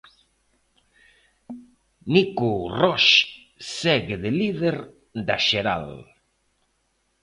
Nico Roche segue de líder da xeral.